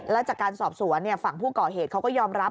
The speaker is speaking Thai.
แล้วจากการสอบสวนฝั่งผู้ก่อเหตุเขาก็ยอมรับ